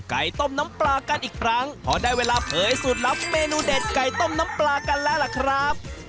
ไก่ต้มน้ำปลากันอีกครั้งพอได้เวลาเผยสูตรลับเมนูเด็ดไก่ต้มน้ำปลากันแล้วล่ะครับ